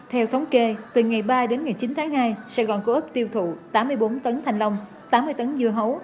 theo thống kê từ ngày ba đến ngày chín tháng hai sài gòn coop tiêu thụ tám mươi bốn tấn thanh long tám mươi tấn dưa hấu